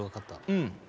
うん。